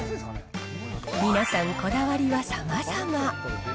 皆さん、こだわりはさまざま。